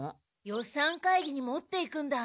予算会議に持っていくんだ。